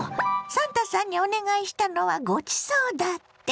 サンタさんにお願いしたのは「ごちそう」だって？